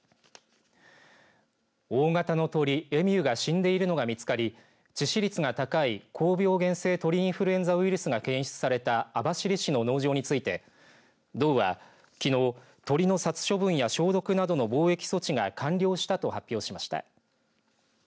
大型の鳥、エミューが死んでいるのが見つかり致死率が高い高病原性鳥インフルエンザウイルスが検出された網走市の農場について道はきのう鳥の殺処分や消毒などの防疫措置が完了したと発表しました。